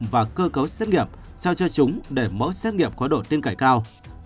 và cơ cấu xét nghiệm sao cho chúng để mẫu xét nghiệm có độ tiên cải cao